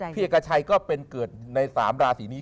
พี่เอกชัยก็เป็นเกิดใน๓ราศีนี้